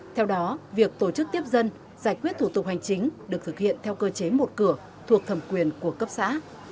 theo đó việc tổ chức tiếp dân giải quyết thủ tục hành chính được thực hiện theo cơ chế một cửa thuộc thẩm quyền của cấp xã